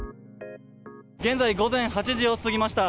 現在午前８時を過ぎました。